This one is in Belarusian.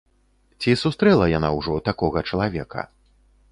Ці сустрэла яна ўжо такога чалавека?